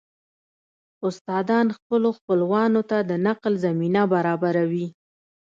استادان خپلو خپلوانو ته د نقل زمينه برابروي